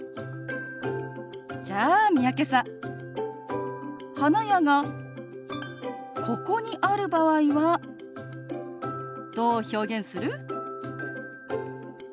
じゃあ三宅さん花屋がここにある場合はどう表現する？